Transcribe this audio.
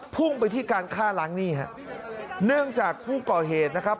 พุ่งไปที่การฆ่าล้างหนี้ฮะเนื่องจากผู้ก่อเหตุนะครับ